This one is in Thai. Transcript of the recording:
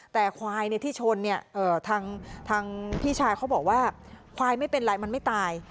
แต่ควายที่ชนเนี่ยทางพี่ชายเขาบอกว่าควายไม่เป็นไรมันไม่ตาย